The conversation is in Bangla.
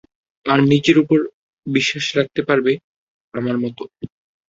আর নিজের ওপর বিশ্বাস রাখতে পারবে, আমার মতো।